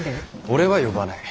俺は呼ばない。